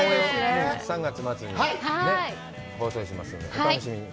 ３月末に放送しますのでお楽しみに。